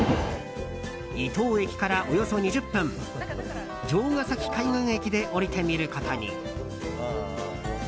伊東駅からおよそ２０分城ヶ崎海岸駅で降りてみることに。